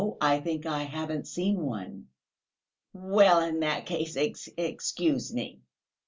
I think I haven't seen one." "Well, in that case, excuse me!"